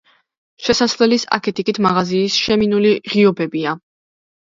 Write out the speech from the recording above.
შესასვლელის აქეთ-იქით მაღაზიის შემინული ღიობებია.